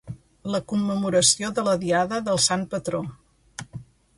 la commemoració de la diada del sant patró